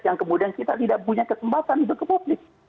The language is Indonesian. yang kemudian kita tidak punya kesempatan itu ke publik